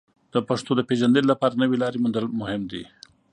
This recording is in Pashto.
د پښتو د پیژندنې لپاره نوې لارې موندل مهم دي.